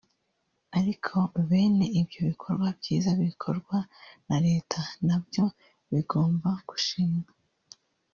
ariko bene ibyo bikorwa byiza bikorwa na Leta nabyo bigomba gushimwa